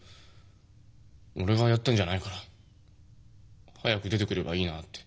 俺がやったんじゃないから早く出てくればいいなって。